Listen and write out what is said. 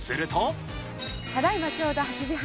ただいまちょうど８時半。